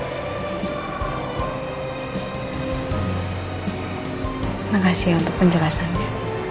terima kasih untuk penjelasannya